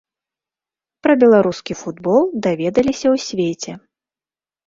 Пра беларускі футбол даведаліся ў свеце.